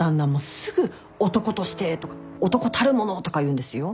すぐ「男として」とか「男たる者」とか言うんですよ。